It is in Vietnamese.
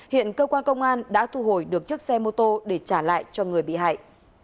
hiện cơ quan công an đã thu hồi được chiếc xe mô tô để trả lại cho người bị hại